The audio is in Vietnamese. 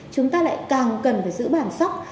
chúng ta lại càng cần phải giữ bản sóc